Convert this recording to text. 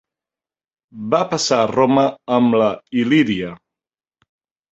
Va passar a Roma amb la Il·líria.